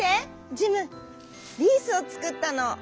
ジムリースをつくったの」。